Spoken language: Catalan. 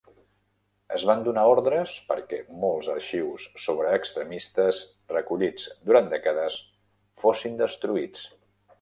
Es van donar ordres perquè molts arxius sobre extremistes, recollits durant dècades, fossin destruïts.